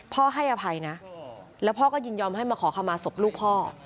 ให้อภัยนะแล้วพ่อก็ยินยอมให้มาขอคำมาศพลูกพ่อ